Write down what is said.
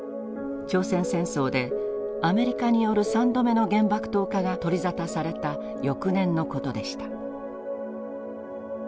朝鮮戦争でアメリカによる３度目の原爆投下が取り沙汰された翌年のことでした。